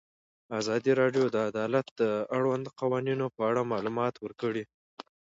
ازادي راډیو د عدالت د اړونده قوانینو په اړه معلومات ورکړي.